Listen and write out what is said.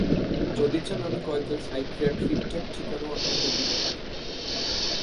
যদি চান আমি কয়েক জন সাইকিয়াটিক্টের ঠিকানাও আপনাকে দিতে পারি।